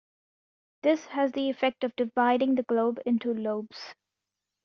This has the effect of dividing the globe into lobes.